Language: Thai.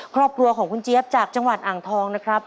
ครอบครัวของคุณเจี๊ยบจากจังหวัดอ่างทองนะครับ